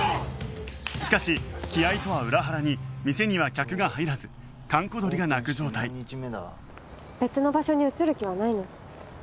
しかし気合とは裏腹に店には客が入らず閑古鳥が鳴く状態別の場所に移る気はないの？